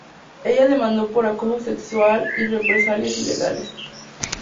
Ella demandó por acoso sexual y represalias ilegales.